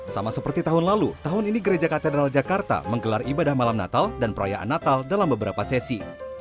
sama seperti tahun lalu tahun ini gereja katedral jakarta menggelar ibadah malam natal dan perayaan natal dalam beberapa sesi